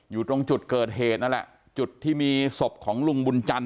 อยู่ตรงจุดเกิดเหตุนั่นแหละจุดที่มีศพของลุงบุญจันท